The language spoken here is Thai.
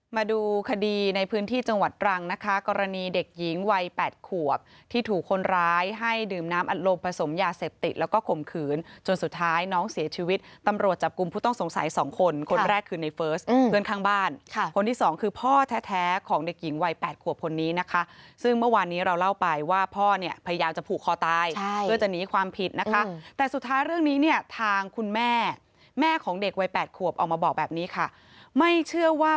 มาดูคดีในพื้นที่จังหวัดตรังนะคะกรณีเด็กหญิงวัย๘ขวบที่ถูกคนร้ายให้ดื่มน้ำอัตโลปผสมยาเสพติแล้วก็ข่มขืนจนสุดท้ายน้องเสียชีวิตตำรวจจับกุมผู้ต้องสงสัย๒คนคนแรกคือในเฟิร์สเพื่อนข้างบ้านคนที่๒คือพ่อแท้ของเด็กหญิงวัย๘ขวบคนนี้นะคะซึ่งเมื่อวานนี้เราเล่าไปว่าพ่อเนี่ยพยายามจะผ